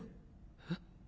えっ？